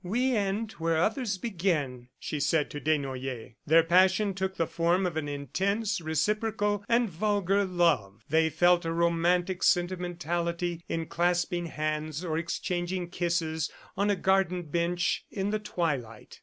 "We end where others begin," she had said to Desnoyers. Their passion took the form of an intense, reciprocal and vulgar love. They felt a romantic sentimentality in clasping hands or exchanging kisses on a garden bench in the twilight.